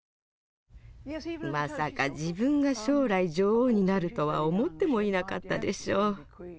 まさか自分が将来女王になるとは思ってもいなかったでしょう。